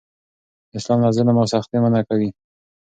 اسلام له ظلم او سختۍ منع کوي.